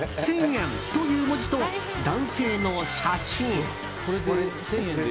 １０００円という文字と男性の写真。